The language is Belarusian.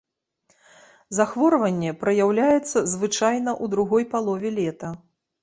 Захворванне праяўляецца звычайна ў другой палове лета.